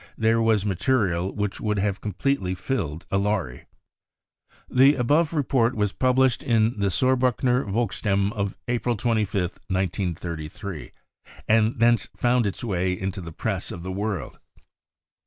there was material which would have completely filled a lorry." The above report was published in the Saarbriickener Volksstimme of April 25 th, 1933, and thence found its way into the Press of the world.